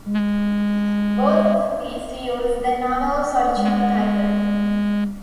Both of these used the novel's original title.